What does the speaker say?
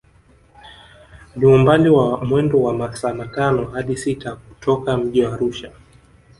Ni umbali wa mwendo wa masaa matano hadi sita kutoka mji wa Arusha